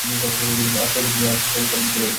আরে শরবত তো আপনি খেলেনই না।